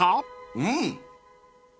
うん！